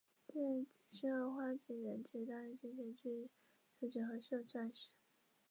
拟酒眼蝶属是眼蝶亚科眼蝶族眼蝶亚族中的一个属。